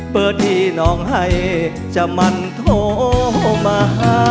เปิดดีน้องให้จะมันโทมา